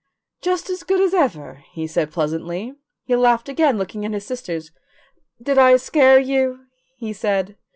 "Just as good as ever," he said pleasantly. He laughed again, looking at his sisters. "Did I scare you?" he said.